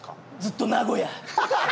ずっと名古屋。